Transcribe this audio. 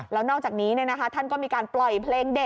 และนอกจากนี้เนี่ยนะคะท่านก็มีการปล่อยเพลงเด็ด